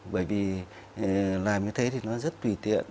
bởi vì làm như thế thì nó rất tùy tiện